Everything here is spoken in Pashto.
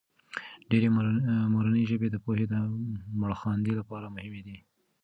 ډېرې مورنۍ ژبې د پوهې د مړخاندې لپاره مهمې دي.